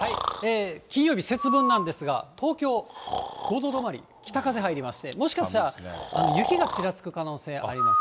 金曜日、節分なんですが、東京、５度止まり、北風入りまして、もしかしたら、雪がちらつく可能性あります。